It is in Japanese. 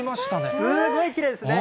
すごいきれいですね。